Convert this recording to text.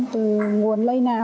từ nguồn lây nào